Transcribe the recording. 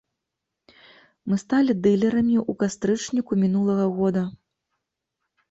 Мы сталі дылерамі ў кастрычніку мінулага года.